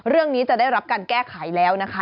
เรื่องนี้จะได้รับการแก้ขายแล้วนะคะ